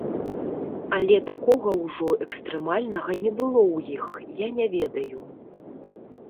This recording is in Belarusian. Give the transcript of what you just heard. Але такога ўжо экстрэмальнага не было ў іх, я не ведаю.